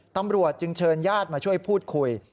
ตำรวจจึงเชิญญาติมาช่วยพูดคุย